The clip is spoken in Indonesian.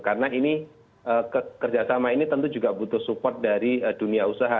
karena ini kerjasama ini tentu juga butuh support dari dunia usaha